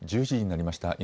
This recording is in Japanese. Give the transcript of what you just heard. １１時になりました。